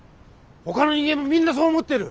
ほかの人間もみんなそう思ってる！